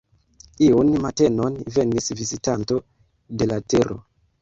Iun matenon venis vizitanto de la Tero.